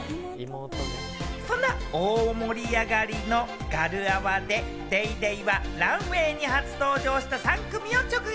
そんな大盛り上がりのガルアワで『ＤａｙＤａｙ．』はランウェイに初登場した３組を直撃。